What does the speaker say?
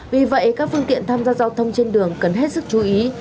vì vậy các phương tiện tham gia giao thông trên đường cần hết sức chú ý